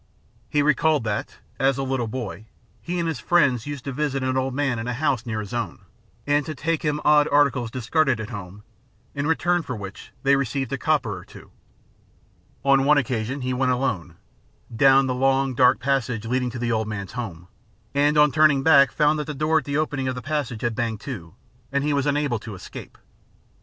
He recalled that, as a little boy, he and his friends used to visit an old man in a house near his own, and to take him odd articles discarded at home, in return for which they received a copper or two. On one occasion he went alone, down the long, dark passage leading to the old man's home, and on turning back found that the door at the opening of the passage had banged to, and he was unable to escape.